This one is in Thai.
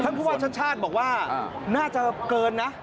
ผู้ว่าชาติชาติบอกว่าน่าจะเกินนะ